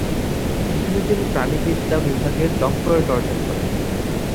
যেখানে তিনি প্রাণিবিদ্যা বিভাগে ডক্টরেট অর্জন করেন।